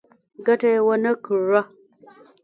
ګټه یې ونه کړه.